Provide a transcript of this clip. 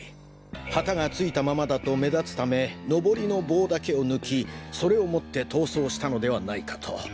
旗が付いたままだと目立つためノボリの棒だけを抜きそれを持って逃走したのではないかと。